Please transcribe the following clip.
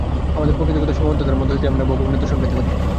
আমাদের প্রকৃতিগত সীমাবদ্ধতার মধ্য দিয়াই আমরা ভগবানের দর্শন পাইতে পারি।